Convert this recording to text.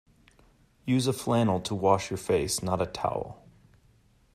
Use a flannel to wash your face, not a towel